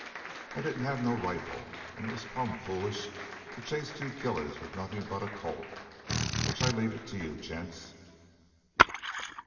I didn't have no rifle, and it was plumb foolish to chase two killers with nothing but a Colt. Which I leave it to you gents!"